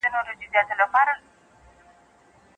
ولي زرګونه افغان ځوانان په هند کي خپلې زده کړې بشپړوي؟